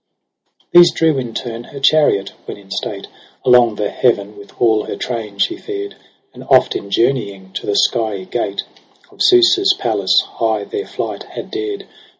These drew in turn her chariot, when in state Along the heaven with all her train she fared 5 And oft in journeying to the skiey gate Of Zeus's palace high their flight had dared.